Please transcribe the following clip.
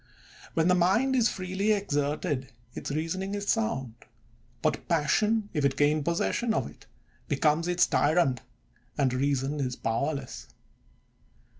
When the mind is freely ex erted, its reasoning is sound; but passion, if it gain possession of it, becomes its tyrant, and reason is powerless.